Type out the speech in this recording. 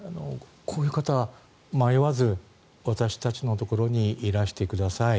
こういう方、迷わず私たちのところにいらしてください。